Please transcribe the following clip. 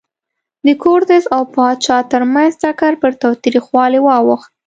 د کورتس او پاچا ترمنځ ټکر پر تاوتریخوالي واوښت.